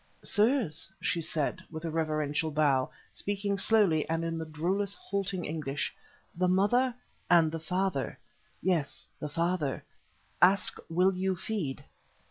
"Sirs," she said, with a reverential bow, speaking slowly and in the drollest halting English, "the mother and the father yes, the father ask, will you feed?"